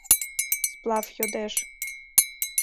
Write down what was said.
Сплав йодеш...